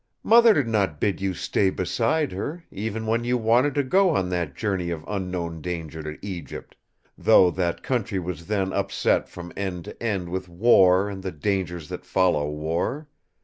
mother did not bid you stay beside her, even when you wanted to go on that journey of unknown danger to Egypt; though that country was then upset from end to end with war and the dangers that follow war.